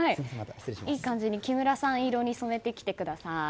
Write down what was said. いい感じに木村さん色に染めてきてください。